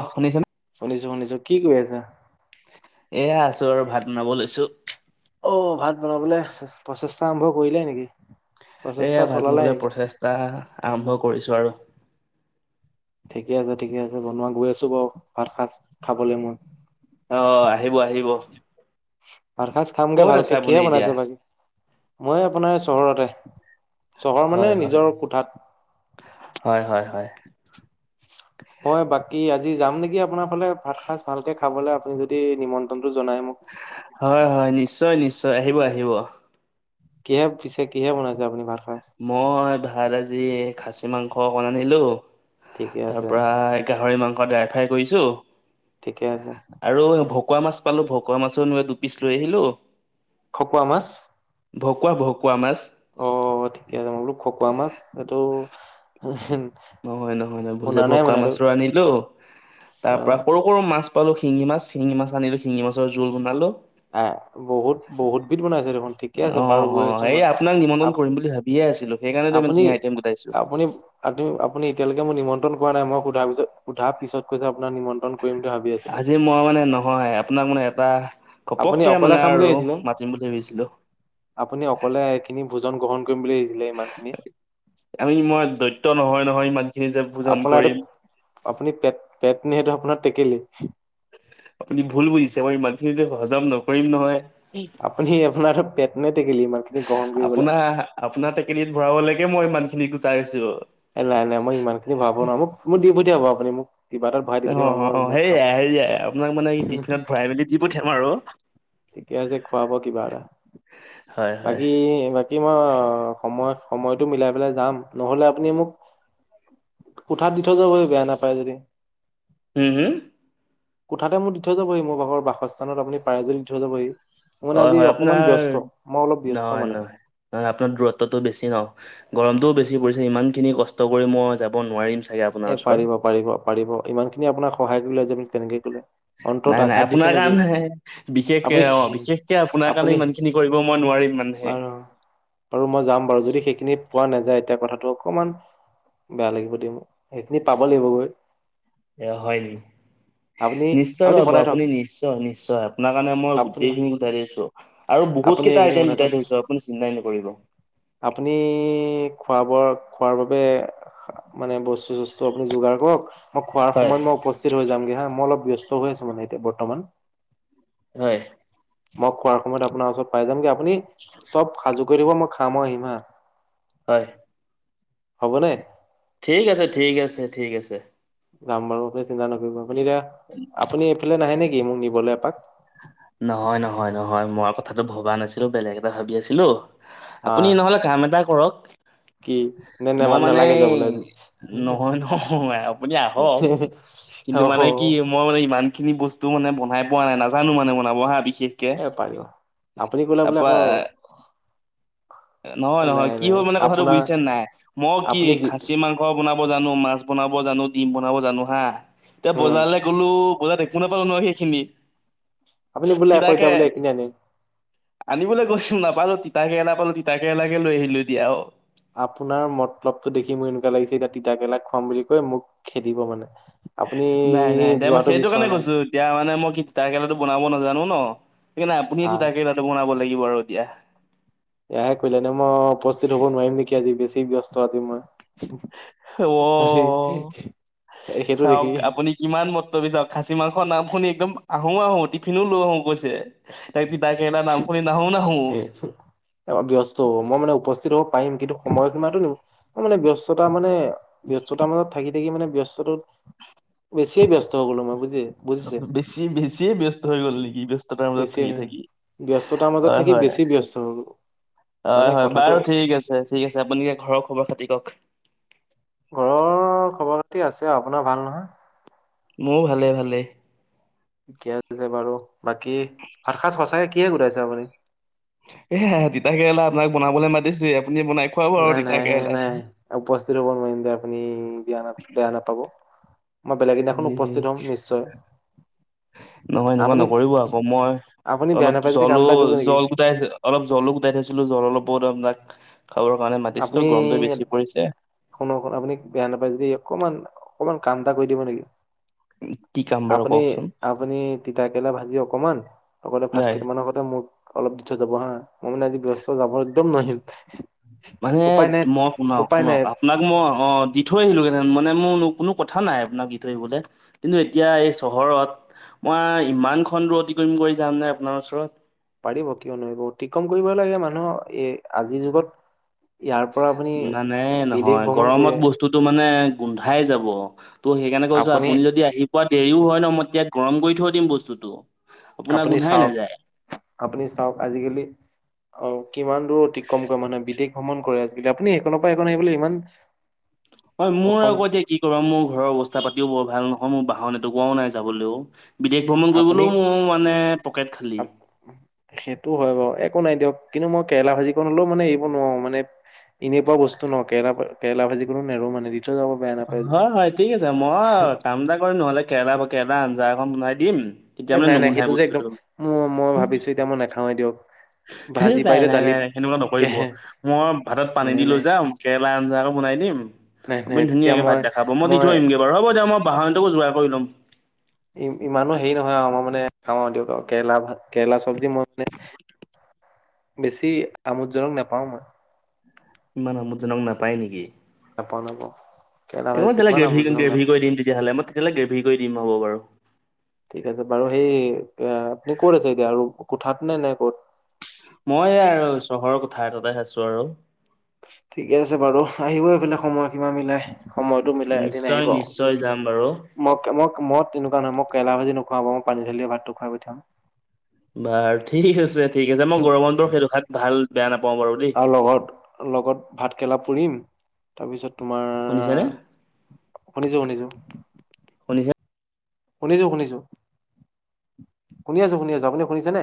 অ শুনিছে নে শুনিছোঁ শুনিছোঁ কি কৰি আছা এয়া আছোঁ আৰু ভাত বনাব লৈছো অ' ভাত বনাবলৈ প্ৰচেষ্টা আৰম্ভ কৰিলাই নেকি প্ৰচেষ্টা এয়া ভাত চলালাই বনাবলৈ নেকি? প্ৰচেষ্টা আৰম্ভ কৰিছোঁ আৰু ঠিকে আছে ঠিকে আছে বনোৱা গৈ আছো বাৰু ভাত সাজ খাবলৈ মই। অ' আহিব আহিব। ভাতসাজ খামগে ক'ত আছে ভালকে আপুনি কিহে এতিয়া? বনাইছে বাকি? মই আপোনাৰ চহৰতে। চহৰ মানে হয় হয়, নিজৰ কোঠাত। হয় হয় হয়। মই বাকী আজি যাম নেকি আপোনাৰ ফালে ভাত সাঁজ ভালকে খাবলৈ আপুনি যদি নিমন্ত্ৰণটো জনাই মোক। হয় হয়, নিশ্চয় নিশ্চয়, আহিব আহিব। কিহে পিছে কিহে বনাইছে আপুনি ভাতসাজ? মই ভাত আজি খাচী মাংস অকণ আনিলোঁ ঠিকে আছে তাৰপৰা গাহৰি মাংস ড্ৰাই ফ্ৰাই কৰিছোঁ। ঠিকে আছে। আৰু ভকুৱা মাছ পালো ভকুৱা মাছো দু পিচ লৈ আহিলোঁ। খকোৱা মাছ? ভকুৱা ভকুৱা মাছ। অ' ঠিকে আছে মই বোলো খকুৱা মাছ এইটো [unintelligible] নহয় নহয় নহয় ভুল যে শুনা নাই ভকুৱা মানে এইটো মাছৰ আনিলোঁ, তাৰ পৰা অ', সৰু সৰু মাছ পালো শিঙি মাছ শিঙি মাছ আনিলোঁ শিঙি মাছৰ জোল বনালোঁ। হা বহুত বহুত বিধ বনাইছে দেখোন। ঠিকে আছে অ', বাৰু অ গৈ আছো ', এই মই। আপোনাক আপ নিমন্ত্ৰণ কৰিম বুলি ভাবিয়ে আছিলোঁ সেইকাৰণে তই আপুনি ইমানি আইটেম গোটাইছোঁ। [unintelligible] আপুনি এতিয়ালৈকে মোক নিমন্ত্ৰন কৰা নাই মই সোধাৰ পিছ সোধা পিছত কৈছে আপোনাৰ নিমন কৰিম বুলি ভাবি আছিলোঁ। আজি মই মানে নহয় আপোনাক মানে এটা আপুনি ঘপকে অকলে মানে খাম বুলি আৰু আহিছিলে? মাতিম বুলি ভাবিছিলোঁ। আপুনি অকলে এইখিনি ভোজন গ্ৰহণ কৰিম বুলি ভাবিছিলে ইমান খিনি। আমি ই মই দৈত্য নহয় নহয় ইমন। আপোনাৰ এইটো আপুনি পেট পেট নে সেইটো আপোনাৰ টেকেলি? আপুনি ভুল বুজিছে মই ইমানখিনতে হজম নকৰিম নহয়। আপুনি আপোনাৰ পেট নে টেকেলি ইমান? আপোনাৰ আপোনাৰ টেকেলিত ভৰাবলৈকে মই ইমান খিনিত গোটাইছোঁ। এ নাই নাই মই ইমান খিনি ভাৰাব নোৱাৰো মোক মোক দি পঠিয়াব আপুনি মোক কিবা এটাত ভৰাই দি পঠিয়াব মই অ', অ', ৰুমত খাম। সেয়াই সেয়াই আপোনাক মানে টিফিনত ভৰাই মেলি দি পঠিয়াম আৰু। ঠিকে আছে খোৱাব কিবা এটা, হয় হয়। বাকী মই সময় সময়টো মিলাই পেলাই যাম নহ'লে আপুনি মোক কোঠাত দি থৈ যাবহি বেয়া নাপায় যদি। উ হো? কোঠাতে মোক দি থৈ যাবহি মোৰ ভাগৰ বাসস্থানত আপুনি পাৰে যদি দি থৈ যাবহি মই মানে হয় আজি হয় অকমান আপোনাৰ ব্যস্ত মই অলপ ব্যস্ত নহয় মানে। নহয় আপোনাৰ দূৰত্বটো বেছি ন গৰমটোও বেছি পৰিছে ইমানখিনি কষ্ট কৰি মই যাব নোৱাৰিম চাগে আপোনাৰ এ ওচৰত পাৰিব পাৰিব পাৰিব ইমান খিনি আপোনাক সহায় কৰিলে যে তেনেকে কলে। অন্তৰত নাই নাই আঘাত দিছে আপোনাৰ নেকি কাৰণে হে। বিশেষকে আপুনি অ' বিশেষকে আপোনাৰ কাৰণে আপুনি ইমান খিনি কৰিব মই নোৱাৰিম মানহে। বাৰু বাৰু মই যাম বাৰু যদি সেইখিনি পোৱা নাযায় এতিয়া কথাটো অকমান বেয়া লাগিব দেই মোক। সেইখিনি পাব লাগিব গৈ। এ হয় নি? আপুনি নিশ্চয় পাব বনাই থওক আপুনি নিশ্চয় নিশ্চয় আপোনাৰ কাৰণে মই আপুনি গোটেইখিনি গোঠাই দিছোঁ। আৰু বহুত আপুনি কেইটা সেইখিনি আইটেম বনাই গোটাই থওক থৈছো আপুনি চিন্তাই নকৰিব। আপুনি খোৱা বোৱাৰ খোৱাৰ বাবে মানে বস্তু চস্তু আপুনি যোগাৰ কৰক মই খোৱাৰ হয় সময়ত মই উপস্থিত হৈ যামগৈ হা মই অলপ ব্যস্ত হৈ আছো মানে এতিয়া বৰ্তমান হয় মই খোৱাৰ সময়ত আপোনাৰ ওচৰত পাই যামগে আপুনি চব সাজু কৰি থব মই খাম আৰু আহিম হা হয় হ'ব দে ঠিক আছে ঠিক আছে ঠিক আছে যাম বাৰু চিন্তা নকৰিব আপুনি এতিয়া আপুনি এইফালে নাহে নেকি মোক নিবলে এপাক নহয় নহয় নহয় মই কথাটো ভবা নাছিলোঁ বেলেগ এটা ভাবি আছিলোঁ হা আপুনি নহ'লে কাম এটা কৰক কি নে নে মই মানে নালাগে যাবলৈ আজি। নহয় নহয় আপুনি আহক কিন্তু অহ মানে কি মই মানে ইমান খিনি বস্তু মানে বনাই পোৱা নাই নাজানোঁ মানে বনাব হা বিশেষ। এ পাৰিব আপুনি বনাবলে আকৌ নহয় নহয় নাই কি নাই হ'ল মানে কথাটো আপোনাৰ বুজিছে নাই মই কি আপুনি যি খাচী মাংস। বনাব জানোঁ মাছ বনাব জানো ডিম বনাব জানো হা এতিয়া উম বজাৰলৈ গ'লো বজাৰ কোনেবা জান সেইখিনি আপুনি বোলে আকৌ তিতাকে এতিয়া বোলে এইখিনি আনিম। আনিবলৈ গৈছোঁ নাপালোঁ তিতা কেৰেলা পালোঁ তিতা কেৰেলাকে লৈ আহিলোঁ দিয়া আৰু আপোনাৰ মতলবটো দেখি মোৰ এনেকুৱা লাগিছে এতিয়া তিতাকেৰেলা খোৱাম বুলি কৈ মোক খেদিব মানে। আপুনি নাই নাই এতিয়া মই যোৱাটো সেইটো কাৰণে বিচৰা নাই। কৈছো এতিয়া মানে মই কি তিতা কেৰেলাটো বনাব নাজানোঁ ন সেইকাৰণে আপুনি হা তিতাৰকেৰেলাটো বনাব লাগিব আৰু এতিয়া। এয়াহে কৰিলানে মই উপস্থিত হ'ব নোৱাৰিম নেকি আজি বেছি ব্যস্ত আজি মই। আজি অ'। সেইটো দেখি। ইমান মৰ্তবি চাওঁক খাচী মাংসৰ নাম শুনি একদম আহো আহোঁ টিফিনো লৈ আহোঁ কৈছে। এতিয়া তিতাকেৰেলাৰ নাম শুনি নাহোঁ নাহোঁ। দিয়ক চোন ব্যস্ত হ'ব মই মানে উপস্থিত হ'ব পাৰিম কিন্তু সময়সীমাতো নি মই মানে ব্যস্ততা মানে। ব্যস্ততাৰ মাজত থাকি থাকি মানে ব্যস্ততটোত বেছিয়ে ব্যস্ত হৈ গলোঁ মই বুজি। বুজিছে বেছি বেছিয়ে ব্যস্ত হৈ গ'ল নেকি ব্যস্ততাৰ মাজত বেছিয়ে থাকি থাকি। ব্যস্ততাৰ মাজত হয় থাকি হয় বেছি ব্যস্ত হৈ গ'লো মানে হয় বাৰু কথাটো ঠিক আছে। ঠিক আছে আপুনি এতিয়া ঘৰৰ খবৰ খাতি কওঁক ঘৰৰ খবৰ খাতি আছে আপোনাৰ ভাল নহয়? মোৰ ভালে ভালে ঠিকে আছে বাৰু বাকী ভাতসাজ সঁচাকে কিহে ঘোটাইছে আপুনি এয়া তিতা কেৰেলা আপোনাক বনাবলৈ মাতিছে আপুনি বনাই খুৱাব আৰু নাই তিতা নাই কেৰেলা। নাই উপস্থিত হ'ব নোৱাৰিমগে আপুনি বেয়া না বেয়া নাপাব। মই বেলেগে এদিনাখন হে হে উপস্থিত হ'ম নিশ্চয়। নহয় এনেকুৱা আপুনি নকৰিব আকৌ মই আপুনি বেয়া অলপ নাপায় যদি কাম জ্বলো এটা কৰিব নেকি জল গোটাই। অলপ জ্বলো গোটাই থৈছিলোঁ জল অলপ বহুত আপোনাক খাবৰ কাৰণে মাতিছিলোঁ আপুনি গৰমটোৱ বেছি পৰিছে। শুনক শোনক আপুনি বেয়া নাপায় যদি অকমান অকনমান কাম এটা কৰি দিব নেকি? কি কাম বাৰু আপুনি কওকচোন আপুনি তিতাকেৰেলা ভাজি অকমান। লগতে ভাত নাই কেইটামানৰ আগতে মোক অলপ দি থৈ যাব হা মই মানে আজি ব‌্যয়স্ত যাব একদম [inaudible] মানে উপায় নাই মই শুনাওক উপায় শুনক নাই আপোনাক মই অ'দি থৈ আহিলোঁ হেতেন মানে মোৰ কোনো কথা নাই আপোনাক দি থৈ আহিবলে। কিন্তু এতিয়া এই চহৰত মই ইমান [unintelligible] অতি কৰিম কৰি যাম নে, আপোনাৰ ওচৰত? পাৰিব কিয় নোৱাৰিব অতিক্ৰম কৰিবই লাগে মানুহ এ, আজিৰ যুগত। ইয়াৰ পৰা আপুনি নানাই বিদেশ নহয়, ভ্ৰমণ কৰি গৰমত বস্তুটো মানে গোন্ধাই যাব। ত' সেইকাৰণে কৈছোঁ আপুনি যদি আহি পোৱাত দেৰিও হয় ন, মই [unintelligible] গৰম কৰি থৈ দিম বস্তুটো। আপোনাৰ আপুনি গোন্ধাই চাওঁক, নাযায় আপুনি চাওঁক আজিকালি অ' কিমান দূৰ অতিক্ৰম কৰে মানুহে বিদেশ ভ্ৰমণ কৰে আজিকালি আপুনি সেইকন পা সেইকন আহিবলে ইমান হয় মোৰ অসম আগতে কি [unintelligible] মোৰ ঘৰৰ অৱস্থা- পাতিও বৰ ভাল নহয়, মোৰ বাহন এটোকোৱাও নাই যাবলৈও। বিদেশ ভ্ৰমণ আপুনি কৰিবলৈও মোৰ মানে পকেট খালী। সেইটো হয় বাৰু একো নাই দিয়ক কিন্তু মই কেৰেলা ভাজিকণ হ'লেও মানে এৰি নোৱাৰোঁ মানে এনেকুৱা বস্তু ন, কেৰেলা [unintelligible] কেৰেলা ভাজি কোনো নেৰো মানে থৈ যাব বেয়া নাপায় যদি হয়, হয় ঠিক আছে মই কাম এটা কৰিম নহ'লে, কেৰেলা-কেৰেলা আঞ্জা একন বনাই দিম তেতিয়া এ, মানে নাই, নাই নুগোন্ধাই সেইটো যে একদম বস্তুটো মো মই ভাবিছোঁ এতিয়া মই নেখাওঁৱে দিয়ক। ভাজি [unintelligible] নাই, পাৰিলে নাই, দালিত নাই, সেনেকুৱা কে নকৰিব মই ভাতত পানী নাই দি লৈ নাই যাম কেৰেলা আঞ্জা আকো বনাই দিম। নাই নাই আপুনি তেতিয়া ধুনীয়াকে ভাত মই দা খাব, মই দি থৈ আহিম গে বাৰু হ'ব দিয়ক মই বাহন টোকো যোগাৰ কৰি ল'ম। ই, ইমানো হেৰি নহয় আৰু মই মানে নাখাওঁ আৰু দিয়ক আৰু কেৰেলা ভাত কেৰেলা চব্জি মই মানে বেছি আমোদজনক নেপাওঁ মই। ইমান আমুদজনক নাপায় নেকি? নাপাওঁ নাপাওঁ কেৰেলা একো নাই ভাজিটো তেলে ইমান আমোদজনক গ্ৰেভি-গ্ৰেভি নাপাওঁ কৰি দিম তেতিয়াহ'লে মই তেতিয়াহ'লে গ্ৰেভি কৰি দিম হ'ব বাৰু। ঠিক আছে বাৰু সেই এয়া আপুনি ক'ত আছে এতিয়া আৰু কোঠাত নে, নে ক'ত? মই এই আৰু চহৰৰ কোঠা এটাতে আছোঁ আৰু। ঠিকে আছে বাৰু আহিব এইফালে সময় সীমা মিলাই। সময়টো মিলাই একএদিন নিশ্চয় আহিব। নিশ্চয় যাম বাৰু মক [unintelligible] তেনেকুৱা নহয় মই কেৰেলা ভাজি নুখুৱাও বাৰো মই পানী ধালিয়ে ভাতটো খুৱাই পঠিয়াম। বাৰু ঠিক আছে, ঠিক আছে মই গৰম বন্ধৰ সেই দখাত ভাল-বেয়া নাপাওঁ বাৰু দে। আৰু লগত, লগত ভাত-কেৰেলা পুৰিম তাৰপিছত তোমাৰ, শুনিছেনে শুনিছোঁ, শুনিছোঁ। শুনিছে শুনিছোঁ, শুনিছোঁ শুনি আছোঁ, শুনি আছোঁ আপুনি শুনিছেনে?